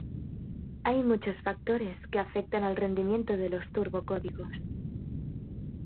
Hay muchos factores que afectan el rendimiento de los turbo códigos.